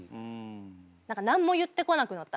何か何も言ってこなくなった。